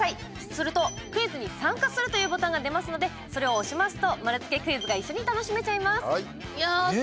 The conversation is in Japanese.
すると、クイズに参加するというボタンが出ますのでそれを押しますと丸つけクイズが一緒に楽しめちゃいます。